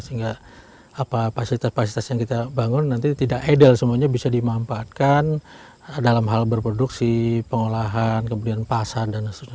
sehingga fasilitas fasilitas yang kita bangun nanti tidak ideal semuanya bisa dimanfaatkan dalam hal berproduksi pengolahan kemudian pasar dan sebagainya